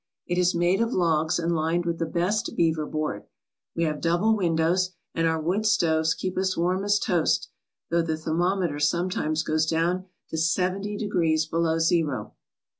It is made of logs and lined with the best beaver board. We have double windows, and our wood stoves keep us as warm as toast, though the thermometer some times goes down to seventy degrees below zero."